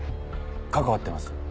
かかわってます。